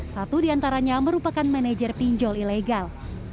satu di antaranya merupakan manajer pinjol ilegal